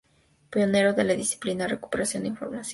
Pionero en la disciplina Recuperación de información.